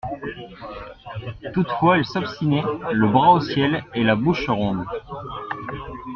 Toutefois il s'obstinait, le bras au ciel, et la bouche ronde.